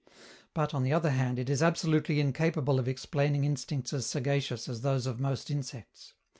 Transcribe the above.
But, on the other hand, it is absolutely incapable of explaining instincts as sagacious as those of most insects.